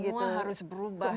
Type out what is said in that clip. semua harus berubah